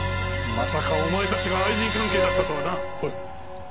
まさかお前たちが愛人関係だったとはな。おい。